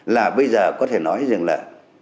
là bây giờ có thể nói rằng là